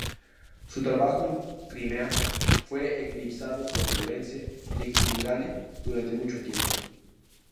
Su trabajo en Crimea fue eclipsado por Florence Nightingale durante mucho tiempo.